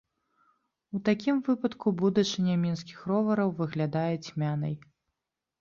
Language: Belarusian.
У такім выпадку будучыня мінскіх ровараў выглядае цьмянай.